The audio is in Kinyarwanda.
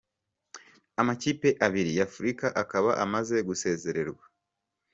Amakipe abiri ya Afurika akaba amaze gusezererwa.